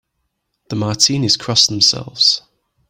The Martinis cross themselves.